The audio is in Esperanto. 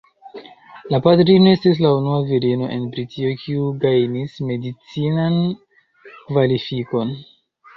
La patrino estis la unua virino en Britio kiu gajnis medicinan kvalifikon.